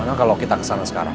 karena kalau kita kesana sekarang